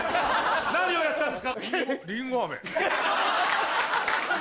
何をやったんですか？